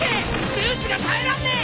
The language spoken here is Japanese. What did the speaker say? スーツが耐えらんねえ！